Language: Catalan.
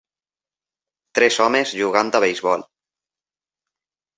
Tres homes jugant a beisbol.